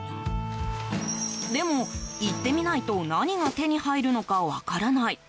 でも、行ってみないと何が手に入るのか分からない。